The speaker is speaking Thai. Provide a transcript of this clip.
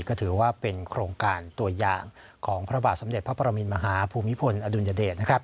ก็ถือว่าเป็นโครงการตัวอย่างของพระบาทสมเด็จพระปรมินมหาภูมิพลอดุลยเดช